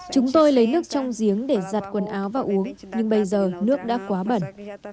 chúng tôi lấy nước trong giếng để giặt quần áo và uống nhưng bây giờ nước đã quá bẩn